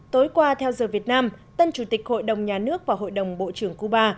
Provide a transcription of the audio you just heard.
tối qua theo giờ việt nam tân chủ tịch hội đồng nhà nước và hội đồng bộ trưởng cuba